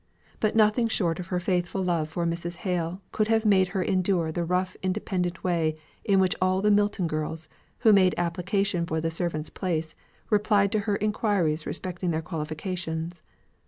But nothing short of her faithful love for Mrs. Hale could have made her endure the rough independent way in which all the Milton girls, who made application for the servant's place, replied to her inquiries respecting their qualifications.